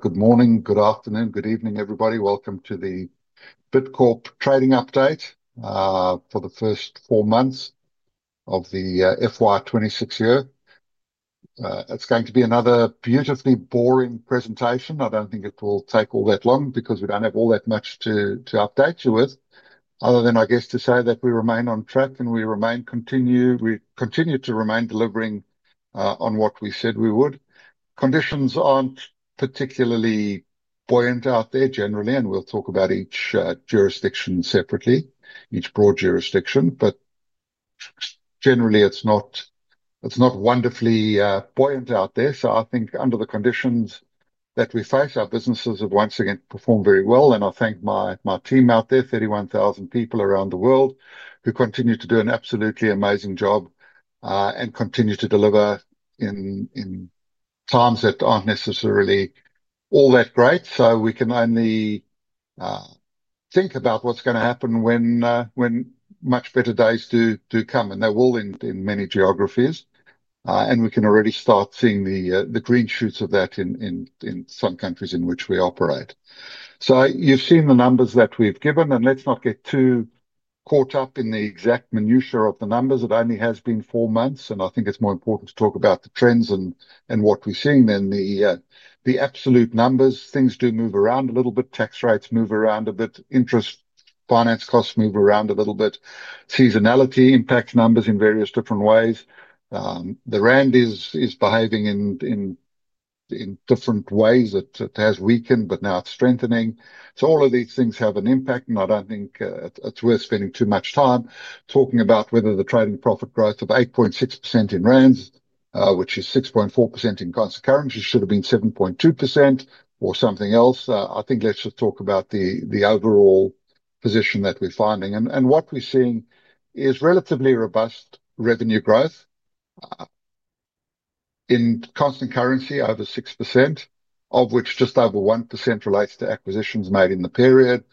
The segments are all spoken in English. Good morning, good afternoon, good evening, everybody. Welcome to the Bid Corporation Trading Update for the first four months of the FY26 year. It's going to be another beautifully boring presentation. I don't think it will take all that long because we don't have all that much to update you with, other than, I guess, to say that we remain on track and we continue to remain delivering on what we said we would. Conditions aren't particularly buoyant out there generally, and we'll talk about each jurisdiction separately, each broad jurisdiction, but generally, it's not wonderfully buoyant out there. I think under the conditions that we face, our businesses have once again performed very well. I thank my team out there, 31,000 people around the world, who continue to do an absolutely amazing job and continue to deliver in times that aren't necessarily all that great. We can only think about what's going to happen when much better days do come, and they will in many geographies. We can already start seeing the green shoots of that in some countries in which we operate. You have seen the numbers that we have given, and let's not get too caught up in the exact minutiae of the numbers. It only has been four months, and I think it's more important to talk about the trends and what we're seeing than the absolute numbers. Things do move around a little bit. Tax rates move around a bit. Interest finance costs move around a little bit. Seasonality impacts numbers in various different ways. The Rand is behaving in different ways. It has weakened, but now it's strengthening. All of these things have an impact, and I do not think it is worth spending too much time talking about whether the trading profit growth of 8.6% in ZAR, which is 6.4% in constant currency, should have been 7.2% or something else. I think let's just talk about the overall position that we are finding. What we are seeing is relatively robust revenue growth in constant currency over 6%, of which just over 1% relates to acquisitions made in the period.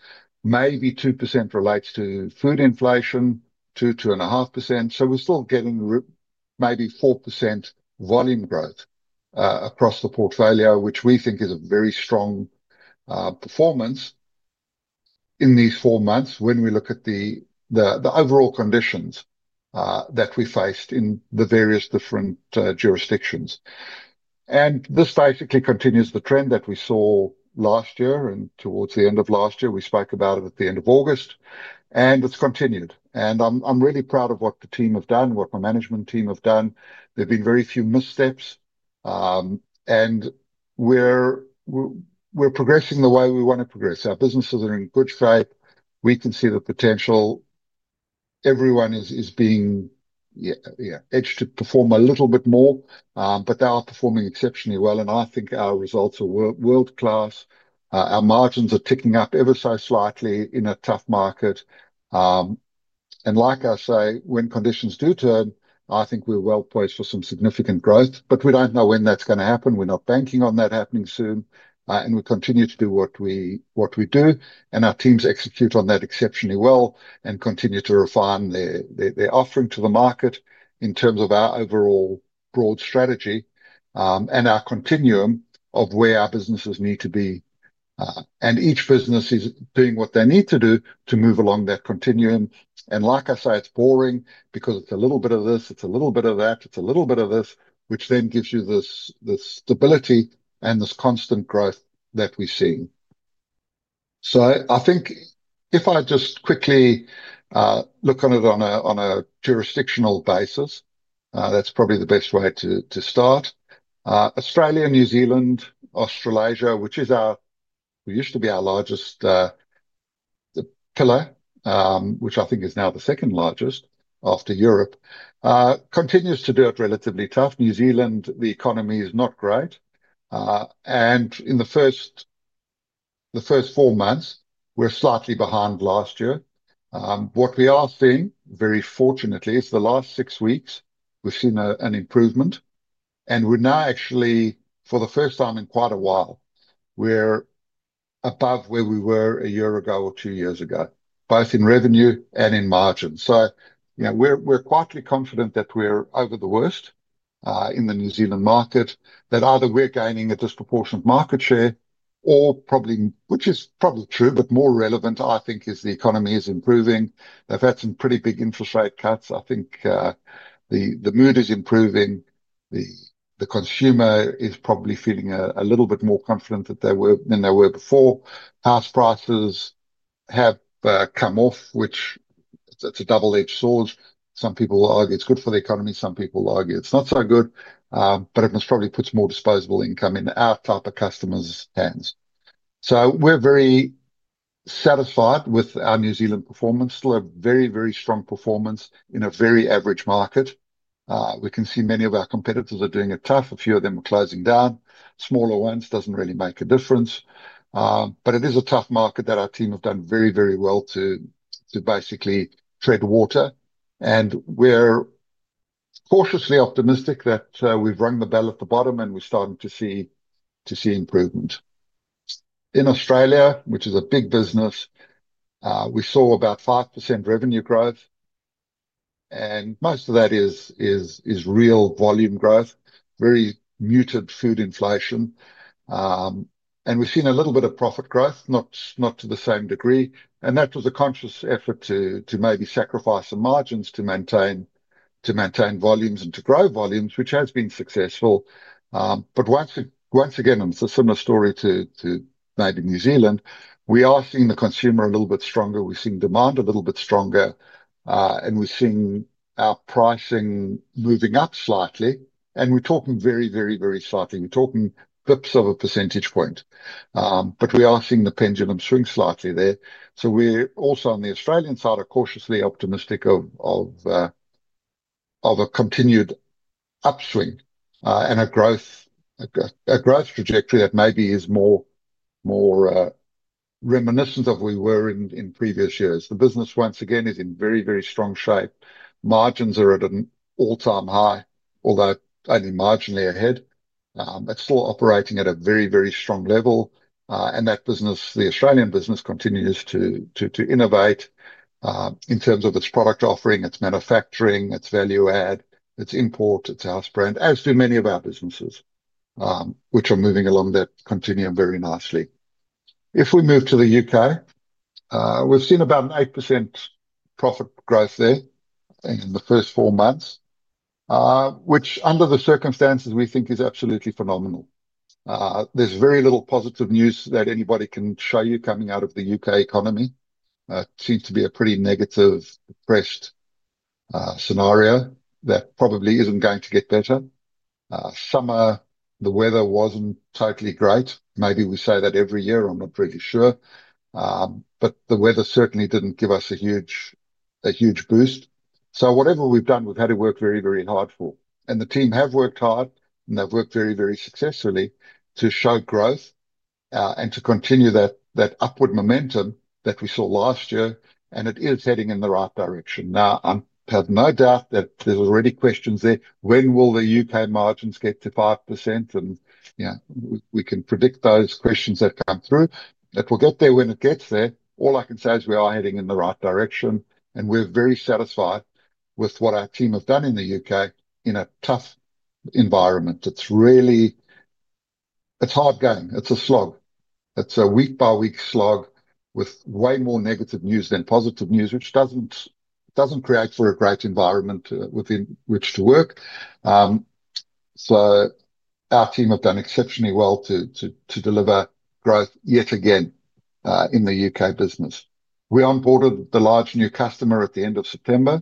Maybe 2% relates to food inflation, 2%-2.5%. We are still getting maybe 4% volume growth across the portfolio, which we think is a very strong performance in these four months when we look at the overall conditions that we faced in the various different jurisdictions. This basically continues the trend that we saw last year, and towards the end of last year, we spoke about it at the end of August, and it has continued. I am really proud of what the team have done, what my management team have done. There have been very few missteps, and we are progressing the way we want to progress. Our businesses are in good shape. We can see the potential. Everyone is being edged to perform a little bit more, but they are performing exceptionally well, and I think our results are world-class. Our margins are ticking up ever so slightly in a tough market. Like I say, when conditions do turn, I think we are well placed for some significant growth, but we do not know when that is going to happen. We're not banking on that happening soon, and we continue to do what we do, and our teams execute on that exceptionally well and continue to refine their offering to the market in terms of our overall broad strategy and our continuum of where our businesses need to be. Each business is doing what they need to do to move along that continuum. Like I say, it's boring because it's a little bit of this, it's a little bit of that, it's a little bit of this, which then gives you this stability and this constant growth that we've seen. I think if I just quickly look on it on a jurisdictional basis, that's probably the best way to start. Australia, New Zealand, Australasia, which used to be our largest pillar, which I think is now the second largest after Europe, continues to do it relatively tough. New Zealand, the economy is not great. In the first four months, we're slightly behind last year. What we are seeing, very fortunately, is the last six weeks, we've seen an improvement, and we're now actually, for the first time in quite a while, we're above where we were a year ago or two years ago, both in revenue and in margins. We're quietly confident that we're over the worst in the New Zealand market, that either we're gaining a disproportionate market share, which is probably true, but more relevant, I think, is the economy is improving. They've had some pretty big interest rate cuts. I think the mood is improving. The consumer is probably feeling a little bit more confident than they were before. House prices have come off, which, it's a double-edged sword. Some people will argue it's good for the economy. Some people will argue it's not so good, but it must probably put some more disposable income in our type of customers' hands. So we're very satisfied with our New Zealand performance. Still a very, very strong performance in a very average market. We can see many of our competitors are doing it tough. A few of them are closing down. Smaller ones doesn't really make a difference. But it is a tough market that our team have done very, very well to basically tread water. And we're cautiously optimistic that we've rung the bell at the bottom and we're starting to see improvement. In Australia, which is a big business, we saw about 5% revenue growth, and most of that is real volume growth, very muted food inflation. And we've seen a little bit of profit growth, not to the same degree. That was a conscious effort to maybe sacrifice some margins to maintain volumes and to grow volumes, which has been successful. Once again, it's a similar story to maybe New Zealand. We are seeing the consumer a little bit stronger. We're seeing demand a little bit stronger, and we're seeing our pricing moving up slightly. We're talking very, very, very slightly. We're talking basis points of a percentage point. We are seeing the pendulum swing slightly there. We are also on the Australian side cautiously optimistic of a continued upswing and a growth trajectory that maybe is more reminiscent of where we were in previous years. The business, once again, is in very, very strong shape. Margins are at an all-time high, although only marginally ahead. It is still operating at a very, very strong level. That business, the Australian business, continues to innovate in terms of its product offering, its manufacturing, its value add, its import, its house brand, as do many of our businesses, which are moving along that continuum very nicely. If we move to the U.K., we've seen about 8% profit growth there in the first four months, which under the circumstances we think is absolutely phenomenal. There's very little positive news that anybody can show you coming out of the U.K. economy. It seems to be a pretty negative, depressed scenario that probably isn't going to get better. Summer, the weather wasn't totally great. Maybe we say that every year. I'm not really sure. The weather certainly didn't give us a huge boost. Whatever we've done, we've had to work very, very hard for. The team have worked hard, and they have worked very, very successfully to show growth and to continue that upward momentum that we saw last year. It is heading in the right direction. I have no doubt that there are already questions there. When will the U.K. margins get to 5%? We can predict those questions that come through. It will get there when it gets there. All I can say is we are heading in the right direction, and we are very satisfied with what our team have done in the U.K. in a tough environment. It is hard going. It is a slog. It is a week-by-week slog with way more negative news than positive news, which does not create a great environment within which to work. Our team have done exceptionally well to deliver growth yet again in the U.K. business. We onboarded the large new customer at the end of September,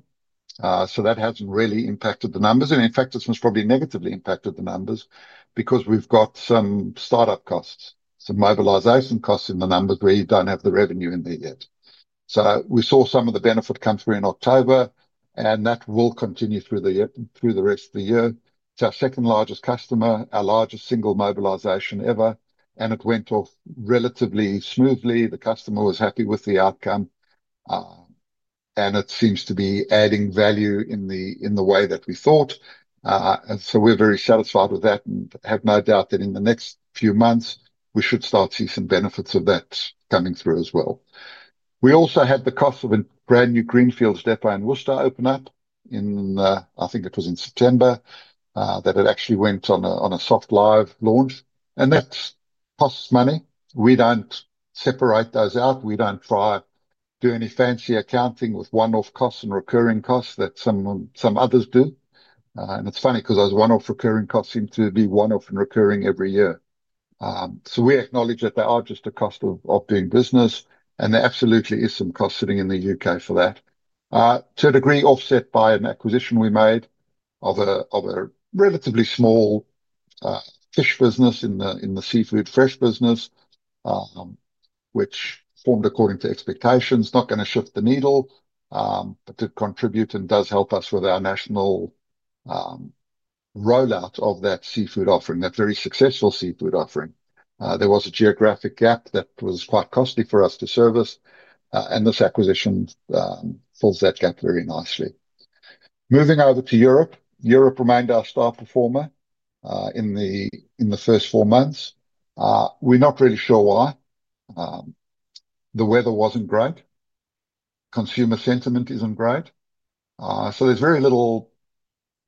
so that has not really impacted the numbers. In fact, this has probably negatively impacted the numbers because we have got some startup costs, some mobilization costs in the numbers where you do not have the revenue in there yet. We saw some of the benefit come through in October, and that will continue through the rest of the year. It is our second largest customer, our largest single mobilization ever, and it went off relatively smoothly. The customer was happy with the outcome, and it seems to be adding value in the way that we thought. We are very satisfied with that and have no doubt that in the next few months, we should start to see some benefits of that coming through as well. We also had the cost of a brand new greenfield depot in Worcester open up in, I think it was in September, that it actually went on a soft live launch. That costs money. We do not separate those out. We do not try to do any fancy accounting with one-off costs and recurring costs that some others do. It is funny because those one-off recurring costs seem to be one-off and recurring every year. We acknowledge that they are just a cost of doing business, and there absolutely is some cost sitting in the U.K. for that, to a degree offset by an acquisition we made of a relatively small fish business in the seafood fresh business, which performed according to expectations. Not going to shift the needle, but did contribute and does help us with our national rollout of that seafood offering, that very successful seafood offering. There was a geographic gap that was quite costly for us to service, and this acquisition fills that gap very nicely. Moving over to Europe, Europe remained our star performer in the first four months. We're not really sure why. The weather wasn't great. Consumer sentiment isn't great. There is very little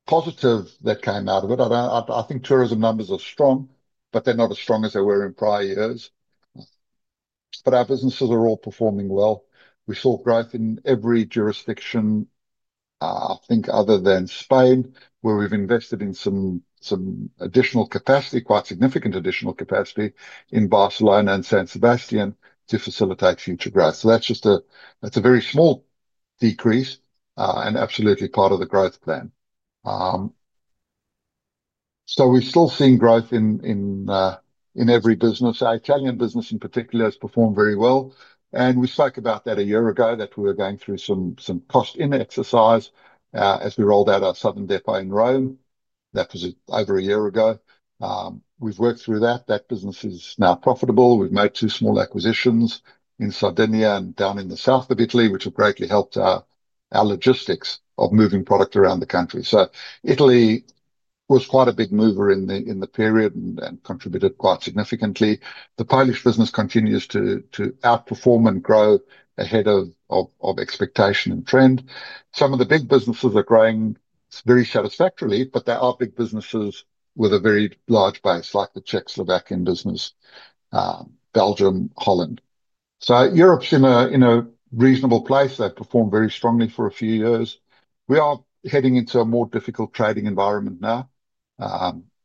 positive that came out of it. I think tourism numbers are strong, but they're not as strong as they were in prior years. Our businesses are all performing well. We saw growth in every jurisdiction, I think, other than Spain, where we've invested in some additional capacity, quite significant additional capacity in Barcelona and San Sebastian to facilitate future growth. That is just a very small decrease and absolutely part of the growth plan. We're still seeing growth in every business. Our Italian business in particular has performed very well. We spoke about that a year ago, that we were going through some cost in exercise as we rolled out our southern depot in Rome. That was over a year ago. We have worked through that. That business is now profitable. We have made two small acquisitions in Sardinia and down in the south of Italy, which have greatly helped our logistics of moving product around the country. Italy was quite a big mover in the period and contributed quite significantly. The Polish business continues to outperform and grow ahead of expectation and trend. Some of the big businesses are growing very satisfactorily, but there are big businesses with a very large base, like the Czech Republic business, Belgium, Holland. Europe's in a reasonable place. They have performed very strongly for a few years. We are heading into a more difficult trading environment now,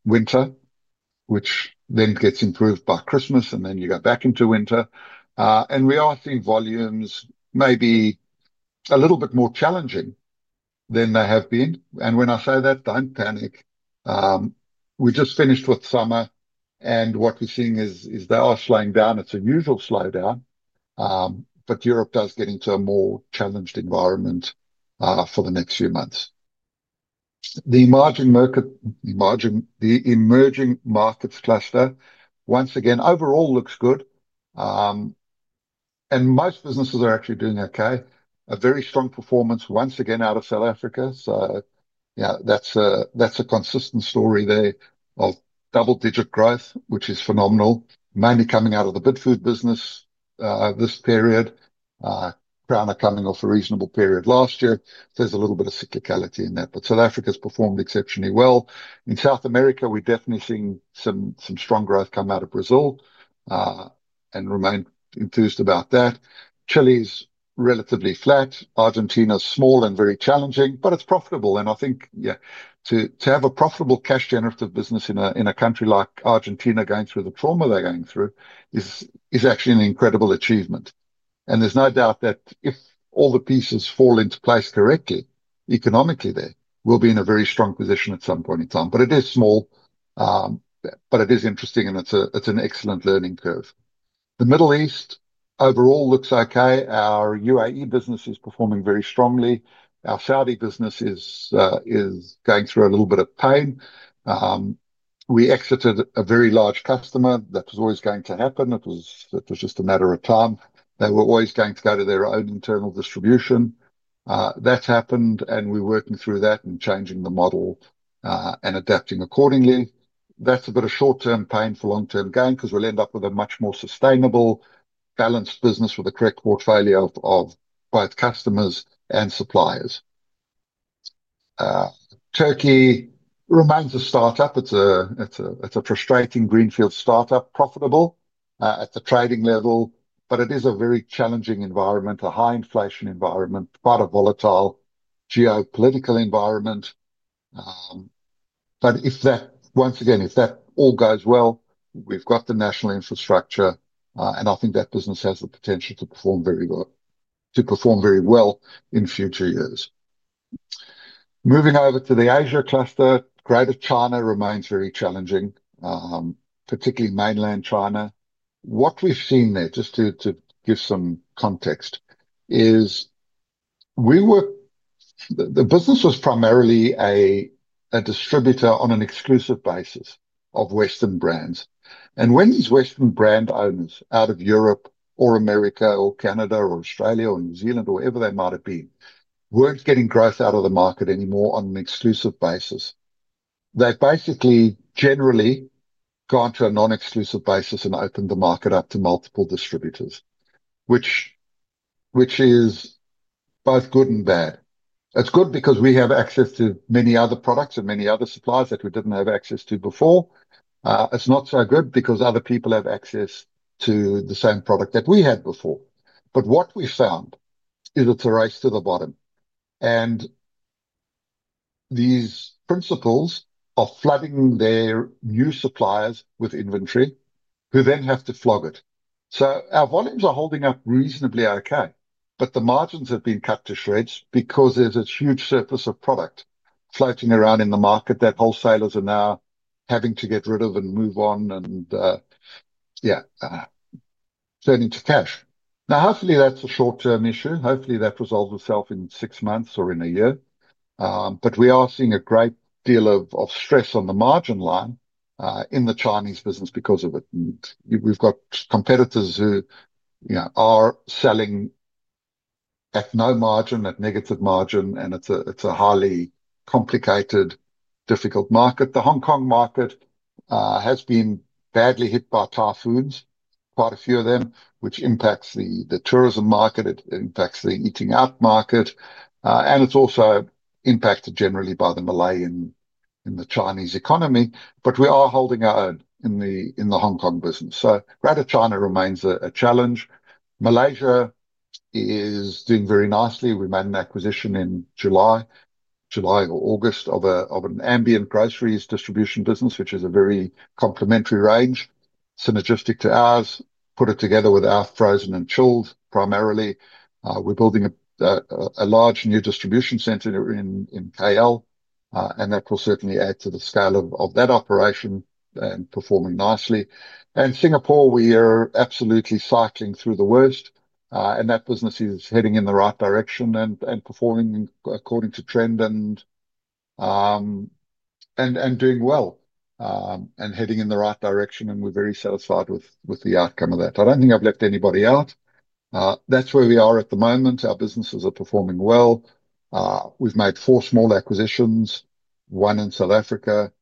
winter, which then gets improved by Christmas, and then you go back into winter. We are seeing volumes maybe a little bit more challenging than they have been. When I say that, don't panic. We just finished with summer, and what we're seeing is they are slowing down. It's a usual slowdown, but Europe does get into a more challenged environment for the next few months. The emerging markets cluster, once again, overall looks good, and most businesses are actually doing okay. A very strong performance, once again, out of South Africa. That's a consistent story there of double-digit growth, which is phenomenal, mainly coming out of the Bid Food business this period. Krana coming off a reasonable period last year. There's a little bit of cyclicality in that, but South Africa's performed exceptionally well. In South America, we're definitely seeing some strong growth come out of Brazil and remain enthused about that. Chile's relatively flat. Argentina's small and very challenging, but it's profitable. I think to have a profitable cash-generative business in a country like Argentina going through the trauma they're going through is actually an incredible achievement. There is no doubt that if all the pieces fall into place correctly economically, they will be in a very strong position at some point in time. It is small, but it is interesting, and it's an excellent learning curve. The Middle East overall looks okay. Our UAE business is performing very strongly. Our Saudi business is going through a little bit of pain. We exited a very large customer. That was always going to happen. It was just a matter of time. They were always going to go to their own internal distribution. That's happened, and we're working through that and changing the model and adapting accordingly. That's a bit of short-term pain for long-term gain because we'll end up with a much more sustainable, balanced business with a correct portfolio of both customers and suppliers. Turkey remains a startup. It's a frustrating greenfield startup, profitable at the trading level, but it is a very challenging environment, a high-inflation environment, quite a volatile geopolitical environment. Once again, if that all goes well, we've got the national infrastructure, and I think that business has the potential to perform very well in future years. Moving over to the Asia cluster, Greater China remains very challenging, particularly mainland China. What we've seen there, just to give some context, is the business was primarily a distributor on an exclusive basis of Western brands. When these Western brand owners out of Europe or America or Canada or Australia or New Zealand, or wherever they might have been, were not getting growth out of the market anymore on an exclusive basis, they have basically generally gone to a non-exclusive basis and opened the market up to multiple distributors, which is both good and bad. It is good because we have access to many other products and many other suppliers that we did not have access to before. It is not so good because other people have access to the same product that we had before. What we found is it is a race to the bottom. These principals are flooding their new suppliers with inventory who then have to flog it. Our volumes are holding up reasonably okay, but the margins have been cut to shreds because there is a huge surface of product floating around in the market that wholesalers are now having to get rid of and move on and, yeah, turn into cash. Hopefully, that is a short-term issue. Hopefully, that resolves itself in six months or in a year. We are seeing a great deal of stress on the margin line in the Chinese business because of it. We have got competitors who are selling at no margin, at negative margin, and it is a highly complicated, difficult market. The Hong Kong market has been badly hit by typhoons, quite a few of them, which impacts the tourism market. It impacts the eating out market. It is also impacted generally by the malaise in the Chinese economy. We are holding our own in the Hong Kong business. Greater China remains a challenge. Malaysia is doing very nicely. We made an acquisition in July or August of an ambient groceries distribution business, which is a very complementary range, synergistic to ours, put it together with our frozen and chilled primarily. We are building a large new distribution center in Kuala Lumpur, and that will certainly add to the scale of that operation and performing nicely. Singapore, we are absolutely cycling through the worst, and that business is heading in the right direction and performing according to trend and doing well and heading in the right direction. We are very satisfied with the outcome of that. I do not think I have left anybody out. That is where we are at the moment. Our businesses are performing well. We have made four small acquisitions, one in South Africa,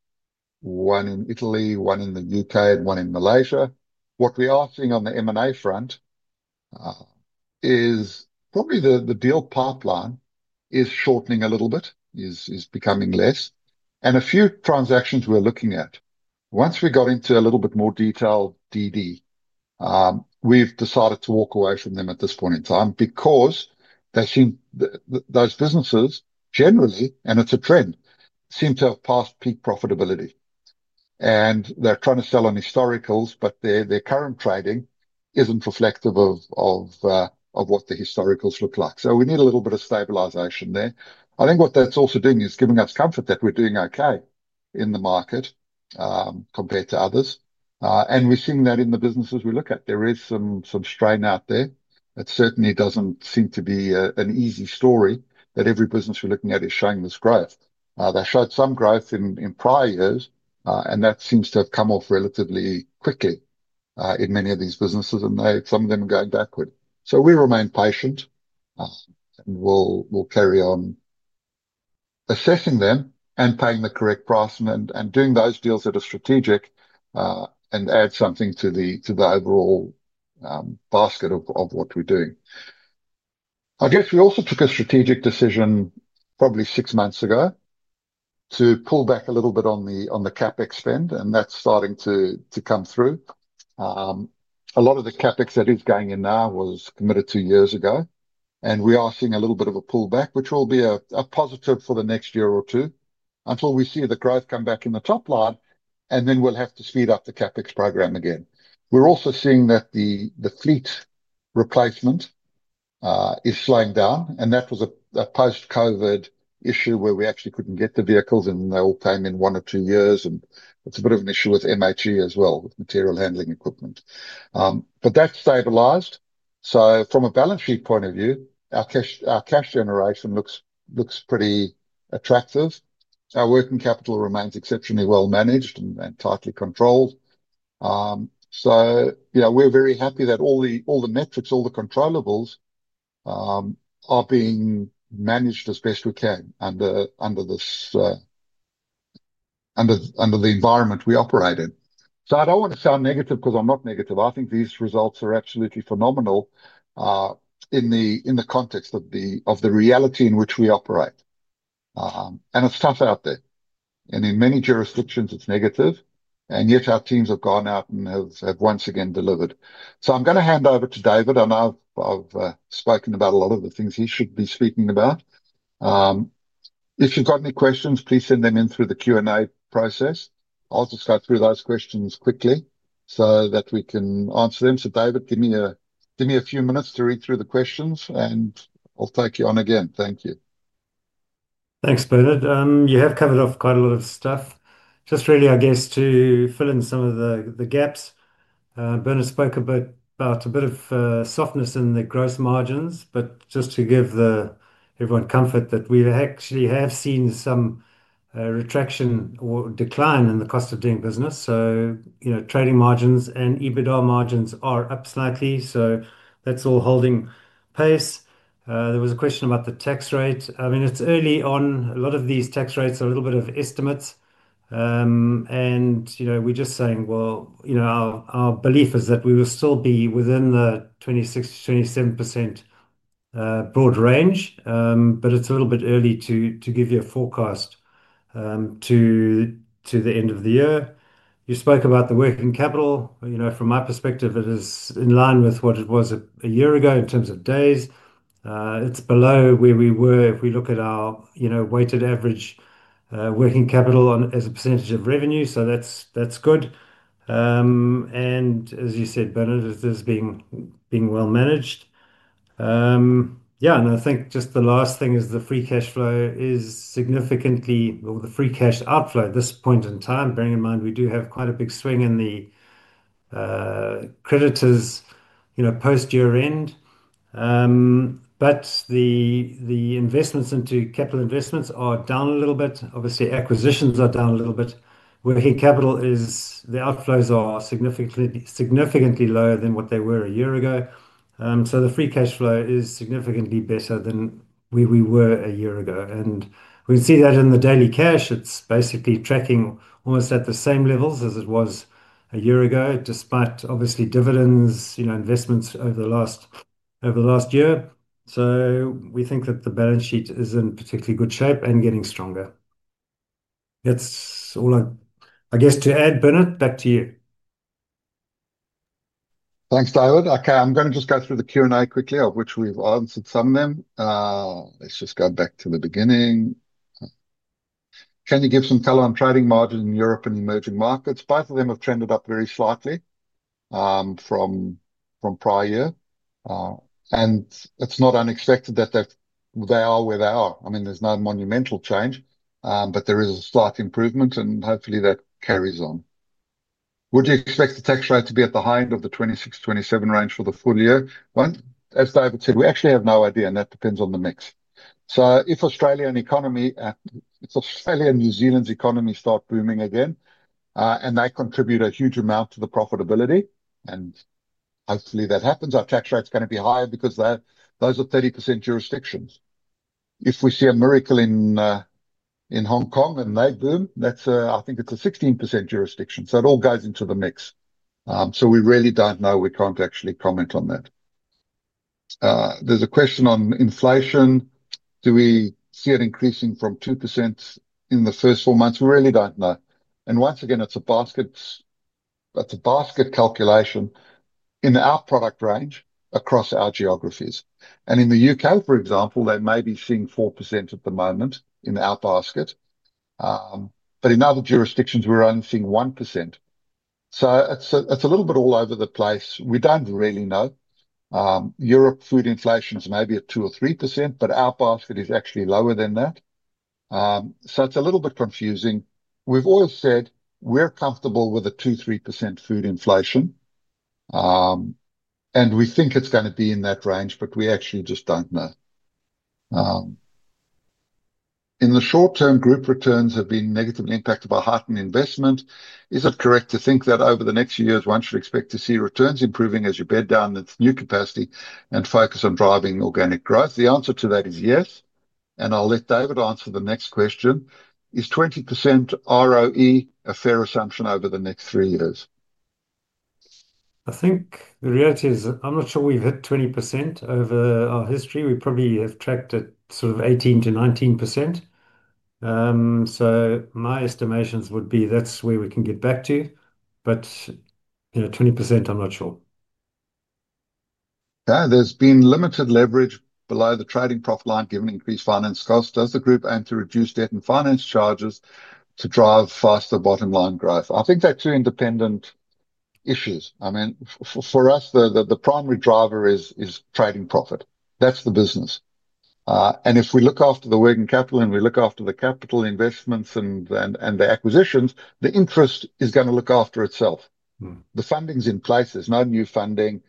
one in Italy, one in the U.K., and one in Malaysia. What we are seeing on the M&A front is probably the deal pipeline is shortening a little bit, is becoming less. And a few transactions we're looking at. Once we got into a little bit more detailed DD, we've decided to walk away from them at this point in time because those businesses generally, and it's a trend, seem to have passed peak profitability. And they're trying to sell on historicals, but their current trading isn't reflective of what the historicals look like. So we need a little bit of stabilization there. I think what that's also doing is giving us comfort that we're doing okay in the market compared to others. And we're seeing that in the businesses we look at. There is some strain out there. It certainly doesn't seem to be an easy story that every business we're looking at is showing this growth. They showed some growth in prior years, and that seems to have come off relatively quickly in many of these businesses, and some of them are going backward. We remain patient, and we will carry on assessing them and paying the correct price and doing those deals that are strategic and add something to the overall basket of what we are doing. I guess we also took a strategic decision probably six months ago to pull back a little bit on the CapEx spend, and that is starting to come through. A lot of the CapEx that is going in now was committed two years ago, and we are seeing a little bit of a pullback, which will be a positive for the next year or two until we see the growth come back in the top line, and then we will have to speed up the CapEx program again. We're also seeing that the fleet replacement is slowing down, and that was a post-COVID issue where we actually couldn't get the vehicles, and they all came in one or two years. It's a bit of an issue with MHE as well, with material handling equipment. That has stabilized. From a balance sheet point of view, our cash generation looks pretty attractive. Our working capital remains exceptionally well managed and tightly controlled. We're very happy that all the metrics, all the controllables, are being managed as best we can under the environment we operate in. I don't want to sound negative because I'm not negative. I think these results are absolutely phenomenal in the context of the reality in which we operate. It's tough out there. In many jurisdictions, it's negative, and yet our teams have gone out and have once again delivered. I'm going to hand over to David, and I've spoken about a lot of the things he should be speaking about. If you've got any questions, please send them in through the Q&A process. I'll just go through those questions quickly so that we can answer them. David, give me a few minutes to read through the questions, and I'll take you on again. Thank you. Thanks, Bernard. You have covered off quite a lot of stuff. Just really, I guess, to fill in some of the gaps, Bernard spoke about a bit of softness in the gross margins, but just to give everyone comfort that we actually have seen some retraction or decline in the cost of doing business. Trading margins and EBITDA margins are up slightly, so that's all holding pace. There was a question about the tax rate. I mean, it's early on. A lot of these tax rates are a little bit of estimates. Our belief is that we will still be within the 26-27% broad range, but it's a little bit early to give you a forecast to the end of the year. You spoke about the working capital. From my perspective, it is in line with what it was a year ago in terms of days. It's below where we were if we look at our weighted average working capital as a percentage of revenue. That's good. As you said, Bernard, this is being well managed. I think just the last thing is the free cash flow is significantly, or the free cash outflow at this point in time, bearing in mind we do have quite a big swing in the creditors post-year end. The investments into capital investments are down a little bit. Obviously, acquisitions are down a little bit. Working capital outflows are significantly lower than what they were a year ago. The free cash flow is significantly better than where we were a year ago. We can see that in the daily cash. It is basically tracking almost at the same levels as it was a year ago, despite obviously dividends, investments over the last year. We think that the balance sheet is in particularly good shape and getting stronger. That is all I guess to add, Bernard. Back to you. Thanks, David. Okay. I am going to just go through the Q&A quickly, of which we have answered some of them. Let us just go back to the beginning. Can you give some color on trading margin in Europe and emerging markets? Both of them have trended up very slightly from prior year. It is not unexpected that they are where they are. I mean, there is no monumental change, but there is a slight improvement, and hopefully that carries on. Would you expect the tax rate to be at the high end of the 26-27% range for the full year? As David said, we actually have no idea, and that depends on the mix. If Australia and New Zealand's economies start booming again, and they contribute a huge amount to the profitability, and hopefully that happens, our tax rate is going to be higher because those are 30% jurisdictions. If we see a miracle in Hong Kong and they boom, I think it is a 16% jurisdiction. It all goes into the mix. We really do not know. We cannot actually comment on that. There's a question on inflation. Do we see it increasing from 2% in the first four months? We really do not know. Once again, it is a basket calculation in our product range across our geographies. In the U.K., for example, they may be seeing 4% at the moment in our basket, but in other jurisdictions, we are only seeing 1%. It is a little bit all over the place. We do not really know. Europe food inflation is maybe at 2% or 3%, but our basket is actually lower than that. It is a little bit confusing. We have always said we are comfortable with a 2-3% food inflation, and we think it is going to be in that range, but we actually just do not know. In the short term, group returns have been negatively impacted by heightened investment. Is it correct to think that over the next few years, one should expect to see returns improving as you bed down its new capacity and focus on driving organic growth? The answer to that is yes. I'll let David answer the next question. Is 20% ROE a fair assumption over the next three years? I think the reality is I'm not sure we've hit 20% over our history. We probably have tracked at sort of 18-19%. My estimations would be that's where we can get back to. 20%, I'm not sure. There's been limited leverage below the trading profile line given increased finance costs. Does the group aim to reduce debt and finance charges to drive faster bottom line growth? I think they're two independent issues. For us, the primary driver is trading profit. That's the business. If we look after the working capital and we look after the capital investments and the acquisitions, the interest is going to look after itself. The funding is in place. There is no new funding.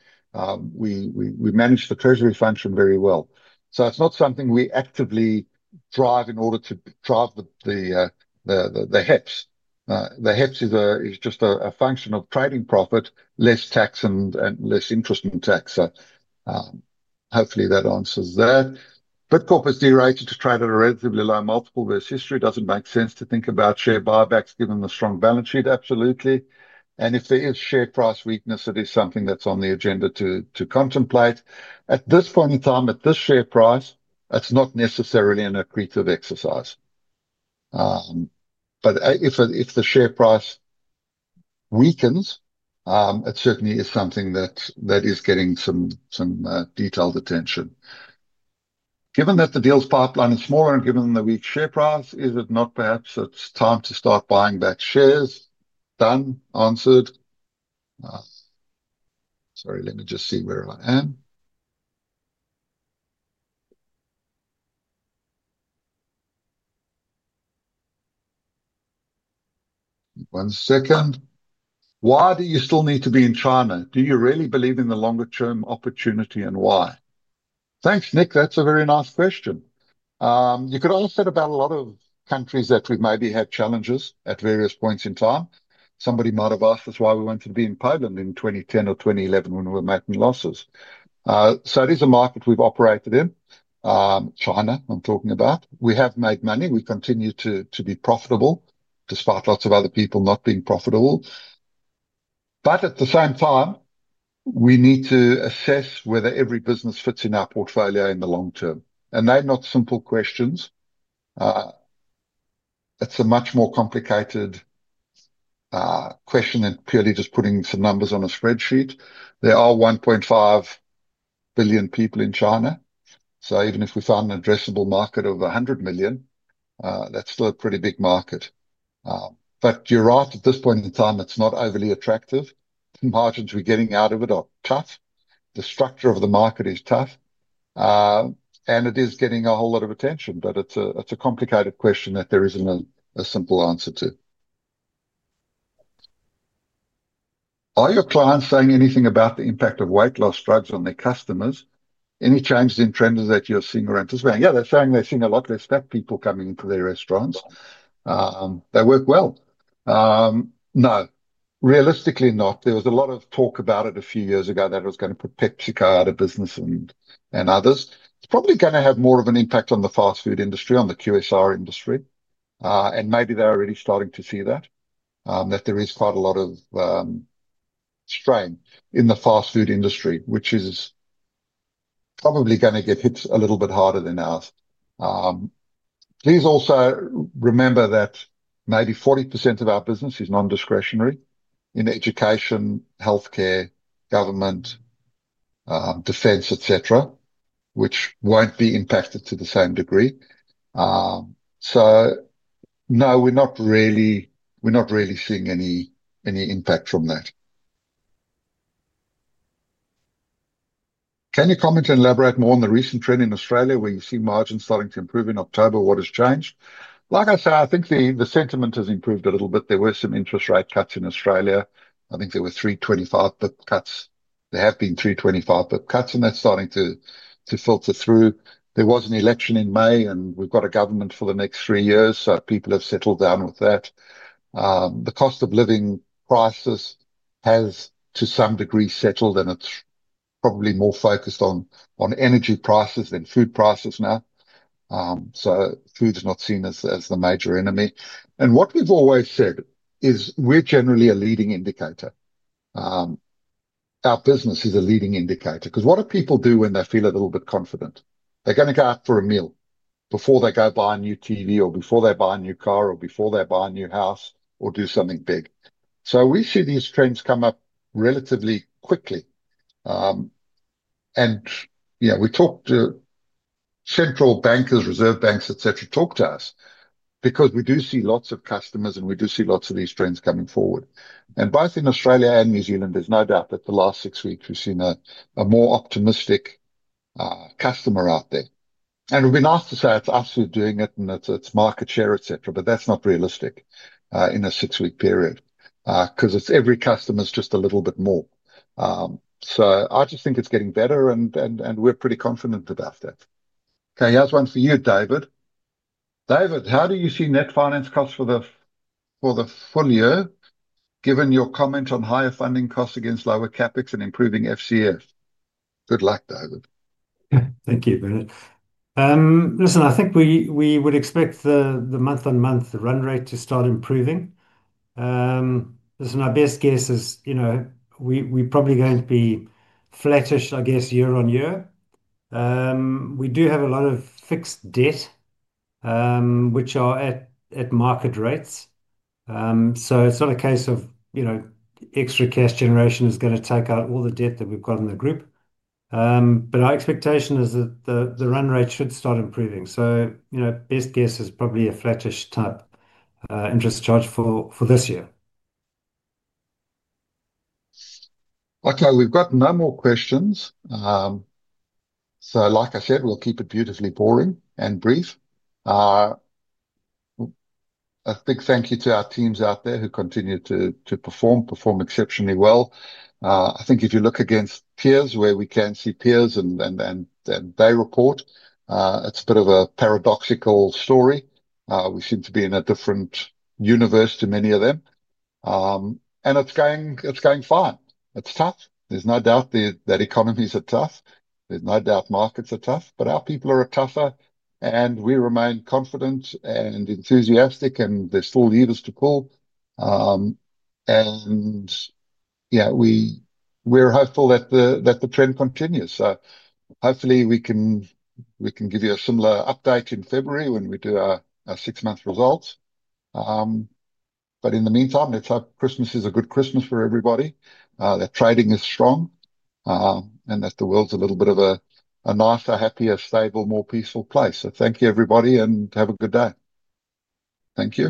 We manage the Treasury function very well. It is not something we actively drive in order to drive the HEPS. The HEPS is just a function of trading profit, less tax, and less interest in tax. Hopefully, that answers that. Bid Corporation is derated to trade at a relatively low multiple versus history. It does not make sense to think about share buybacks given the strong balance sheet. Absolutely. If there is share price weakness, it is something that is on the agenda to contemplate. At this point in time, at this share price, it is not necessarily an accretive exercise. If the share price weakens, it certainly is something that is getting some detailed attention. Given that the deal's pipeline is smaller and given the weak share price, is it not perhaps it's time to start buying back shares? Done. Answered. Sorry, let me just see where I am. One second. Why do you still need to be in China? Do you really believe in the longer-term opportunity and why? Thanks, Nick. That's a very nice question. You could also set about a lot of countries that we've maybe had challenges at various points in time. Somebody might have asked us why we wanted to be in Poland in 2010 or 2011 when we were making losses. It is a market we've operated in. China, I'm talking about. We have made money. We continue to be profitable, despite lots of other people not being profitable. At the same time, we need to assess whether every business fits in our portfolio in the long term. They're not simple questions. It's a much more complicated question than purely just putting some numbers on a spreadsheet. There are 1.5 billion people in China. Even if we found an addressable market of 100 million, that's still a pretty big market. You're right. At this point in time, it's not overly attractive. The margins we're getting out of it are tough. The structure of the market is tough. It is getting a whole lot of attention, but it's a complicated question that there isn't a simple answer to. Are your clients saying anything about the impact of weight loss drugs on their customers? Any changes in trends that you're seeing or anticipating? Yeah, they're saying they're seeing a lot less fat people coming into their restaurants. They work well. No. Realistically, not. There was a lot of talk about it a few years ago that it was going to put PepsiCo out of business and others. It's probably going to have more of an impact on the fast food industry, on the QSR industry. Maybe they're already starting to see that, that there is quite a lot of strain in the fast food industry, which is probably going to get hit a little bit harder than ours. Please also remember that maybe 40% of our business is non-discretionary in education, healthcare, government, defense, etc., which won't be impacted to the same degree. No, we're not really seeing any impact from that. Can you comment and elaborate more on the recent trend in Australia where you see margins starting to improve in October? What has changed? Like I say, I think the sentiment has improved a little bit. There were some interest rate cuts in Australia. I think there were three 25-basis point cuts. There have been three 25-basis point cuts, and they're starting to filter through. There was an election in May, and we've got a government for the next three years, so people have settled down with that. The cost of living crisis has to some degree settled, and it's probably more focused on energy prices than food prices now. Food's not seen as the major enemy. What we've always said is we're generally a leading indicator. Our business is a leading indicator. Because what do people do when they feel a little bit confident? They're going to go out for a meal before they go buy a new TV or before they buy a new car or before they buy a new house or do something big. We see these trends come up relatively quickly. We talk to central bankers, reserve banks, etc., talk to us because we do see lots of customers, and we do see lots of these trends coming forward. Both in Australia and New Zealand, there's no doubt that the last six weeks we've seen a more optimistic customer out there. We've been asked to say it's absolutely doing it and it's market share, etc., but that's not realistic in a six-week period because every customer is just a little bit more. I just think it's getting better, and we're pretty confident about that. Okay, here's one for you, David. David, how do you see net finance costs for the full year given your comment on higher funding costs against lower CapEx and improving FCF? Good luck, David. Thank you, Bernard. Listen, I think we would expect the month-on-month run rate to start improving. Listen, our best guess is we're probably going to be flattish, I guess, year on year. We do have a lot of fixed debt, which are at market rates. It's not a case of extra cash generation is going to take out all the debt that we've got in the group. Our expectation is that the run rate should start improving. Best guess is probably a flattish type interest charge for this year. Okay, we've got no more questions. Like I said, we'll keep it beautifully boring and brief. A big thank you to our teams out there who continue to perform, perform exceptionally well. I think if you look against peers where we can see peers and they report, it's a bit of a paradoxical story. We seem to be in a different universe to many of them. It's going fine. It's tough. There's no doubt that economies are tough. There's no doubt markets are tough. Our people are tougher, and we remain confident and enthusiastic, and there's still levers to pull. We're hopeful that the trend continues. Hopefully we can give you a similar update in February when we do our six-month results. In the meantime, let's hope Christmas is a good Christmas for everybody, that trading is strong, and that the world's a little bit of a nicer, happier, stable, more peaceful place. Thank you, everybody, and have a good day. Thank you.